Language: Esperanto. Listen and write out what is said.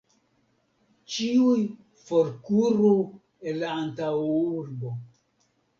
Ĉiuj forkuru el la antaŭurbo!